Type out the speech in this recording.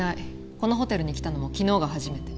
このホテルに来たのも昨日が初めて。